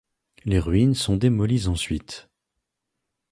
Les ruines sont démolies ensuite.